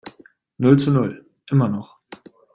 Null zu null, immer noch.